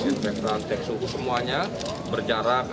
inspektan teks suhu semuanya berjarak